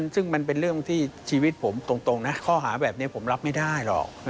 ซึ่งมันเป็นเรื่องที่ชีวิตผมตรงนะข้อหาแบบนี้ผมรับไม่ได้หรอก